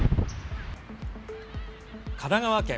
神奈川県